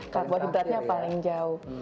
kalboh diberatnya paling jauh